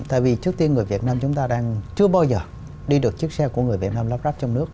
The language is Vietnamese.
tại vì trước tiên người việt nam chúng ta đang chưa bao giờ đi được chiếc xe của người việt nam lắp ráp trong nước